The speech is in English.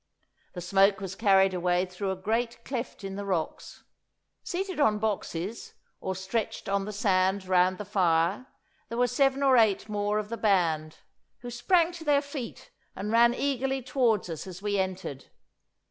The smoke was carried away through a great cleft in the rocks. Seated on boxes, or stretched on the sand round the fire, there were seven or eight more of the band, who sprang to their feet and ran eagerly towards us as we entered.